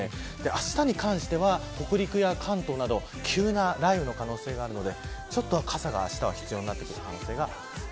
あしたに関しては北陸や関東など急な雷雨の可能性があるので傘が必要になってくる可能性があります。